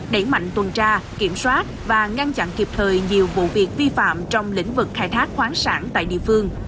đẩy mạnh tuần tra kiểm soát và ngăn chặn kịp thời nhiều vụ việc vi phạm trong lĩnh vực khai thác khoáng sản tại địa phương